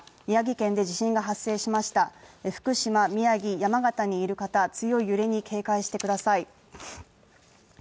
宮城県で地震が発生しました、福島、宮城、山形にいる方は強い揺れに警戒してください。